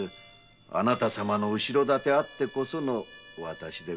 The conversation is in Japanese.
あなた様の後ろ盾あってこそのわたしです。